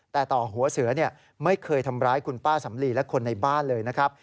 แต่ต่อหัวเสือไม่เคยทำร้ายคุณป้าสำลีและคนในบ้านเลยนะครับ